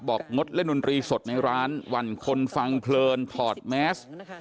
งดเล่นดนตรีสดในร้านหวั่นคนฟังเพลินถอดแมส